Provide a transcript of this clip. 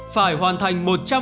phải hoàn thành